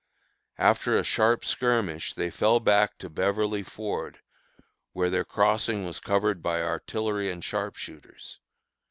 After a sharp skirmish they fell back to Beverly Ford, where their crossing was covered by artillery and sharpshooters.